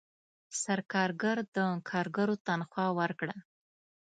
سرکارګر د کارګرو تنخواه ورکړه.